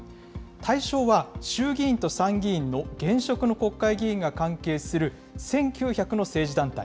対象は衆議院と参議院の現職の国会議員が関係する１９００の政治団体。